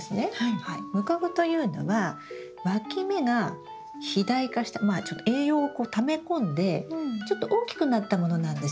ムカゴというのはわき芽が肥大化した栄養をため込んでちょっと大きくなったものなんですよ。